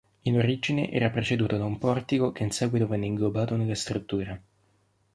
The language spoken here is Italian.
In origine era preceduto da un portico che in seguito venne inglobato nella struttura.